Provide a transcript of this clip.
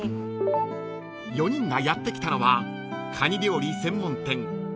［４人がやって来たのは蟹料理専門店］